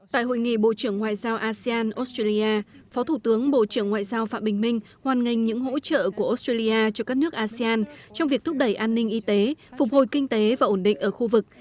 tại hội nghị bộ trưởng ngoại giao asean australia phó thủ tướng bộ trưởng ngoại giao phạm bình minh hoan nghênh những hỗ trợ của australia cho các nước asean trong việc thúc đẩy an ninh y tế phục hồi kinh tế và ổn định ở khu vực